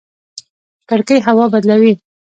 کړکۍ هوا بدلوي